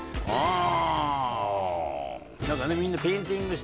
ああ